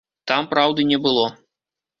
Там праўды не было.